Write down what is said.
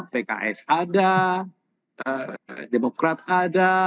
pks ada demokrat ada